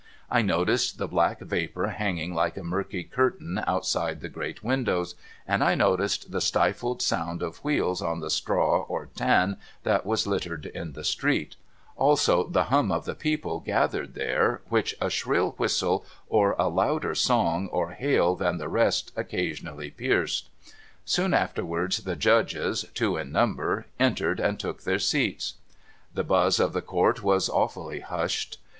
I noticed the black vapour hanging like a murky curtain outside the great windows, and I noticed the stifled sound of wheels on the straw or tan that was littered in the street ; also, the hum of the people gathered there, which a shrill whistle, or a louder song or hail than the rest, occa sionally pierced. Soon afterwards the Judges, two in number, entered, and took their seats. The buzz in the Court was awfully hushed.